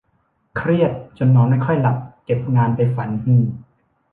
เครียดจนนอนไม่ค่อยหลับ เก็บงานไปฝัน ฮือ